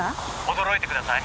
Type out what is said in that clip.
「驚いてください」